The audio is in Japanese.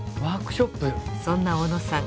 そんな小野さん